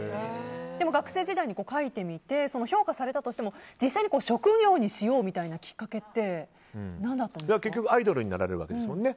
でも学生時代に書いてみて評価されたとしても実際に職業にしようみたいなきっかけって結局アイドルになるんですもんね。